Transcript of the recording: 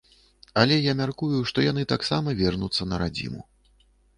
Але я мяркую, што яны таксама вернуцца на радзіму.